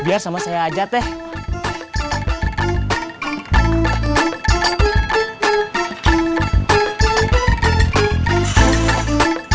biar sama saya aja deh